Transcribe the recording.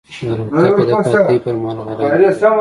الوتکه د قحطۍ پر مهال غله انتقالوي.